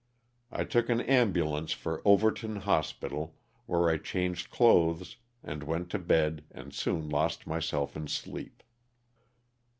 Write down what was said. I took an ambulance for Overton hospital, where I changed clothes and went to bed and soon lost myself in sleep.